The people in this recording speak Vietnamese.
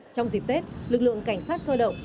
trong dịp tết lực lượng cảnh sát thơ động